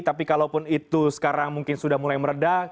tapi kalaupun itu sekarang mungkin sudah mulai meredah